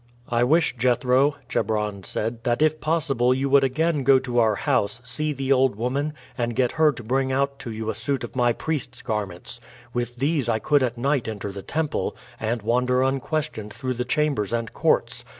"I wish, Jethro," Chebron said, "that if possible you would again go to our house, see the old woman, and get her to bring out to you a suit of my priests' garments; with these I could at night enter the temple, and wander unquestioned through the chambers and courts.